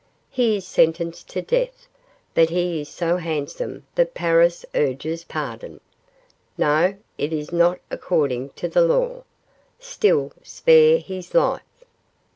He is sentenced to death; but he is so handsome that Paris urges pardon. No; it is not according to the law. Still, spare his life?